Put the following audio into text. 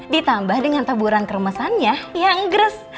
ditambah dengan taburan keremesannya yang gres